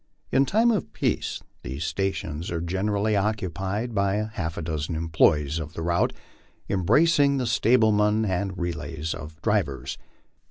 In time of peace these stations are generally occupied by half a dozen employees of the route, embracing the stablemen and relays of drivers.